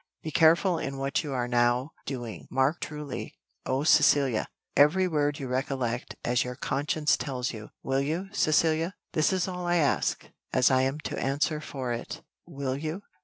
Be careful in what you are now doing, mark truly oh, Cecilia! every word you recollect as your conscience tells you. Will you, Cecilia? this is all I ask, as I am to answer for it will you?"